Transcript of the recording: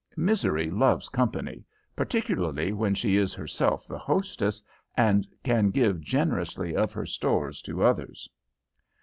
Misery loves company, particularly when she is herself the hostess, and can give generously of her stores to others.